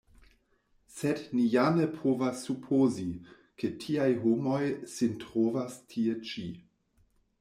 Sed, ni ja ne povas supozi, ke tiaj homoj sin trovas tie ĉi.